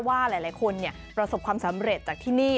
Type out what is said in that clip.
ว่าหลายคนประสบความสำเร็จจากที่นี่